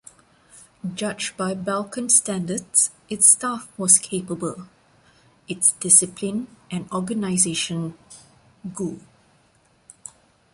Judged by Balkan standards, its staff was capable, its discipline and organization goo.